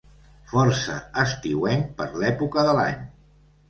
Força estiuenc, per l'època de l'any.